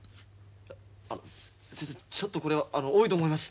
先生ちょっとこれは多いと思います。